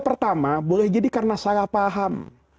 pertama boleh jadi karena salah paham